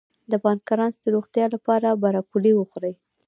د پانکراس د روغتیا لپاره بروکولي وخورئ